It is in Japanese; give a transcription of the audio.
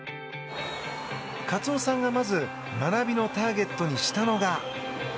カツオさんが、まず学びのターゲットにしたのが。